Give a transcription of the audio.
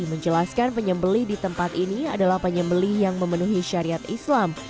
menjelaskan penyembeli di tempat ini adalah penyembeli yang memenuhi syariat islam